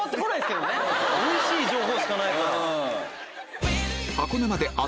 おいしい情報しかないから。